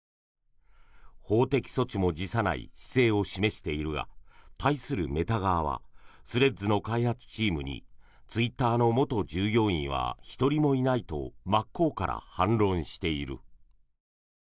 法的措置も辞さない姿勢を示しているが対するメタ側はスレッズの開発チームにツイッターの元従業員は１人もいないと真っ向から反論している。